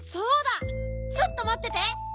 ちょっとまってて。